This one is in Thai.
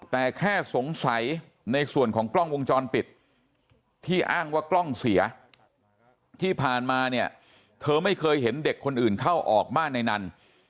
แต่แค่สงสัยในส่วนของกล้องวงจรปิดที่อ้างว่ากล้องเสียที่ผ่านมาเนี่ยเธอไม่เคยเห็นเด็กคนอื่นเข้าออกบ้านในนั้น